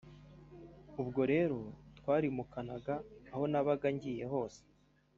ubwo rero twarimukanaga aho nabaga ngiye hose